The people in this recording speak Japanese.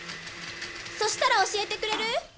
そしたら教えてくれる？